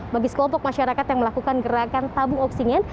bagi sekelompok masyarakat yang melakukan gerakan tabung oksigen